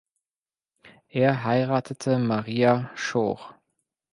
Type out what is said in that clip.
Er heiratete Maria Schoch.